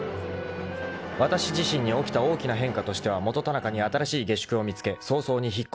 ［わたし自身に起きた大きな変化としては元田中に新しい下宿を見つけ早々に引っ越したことである］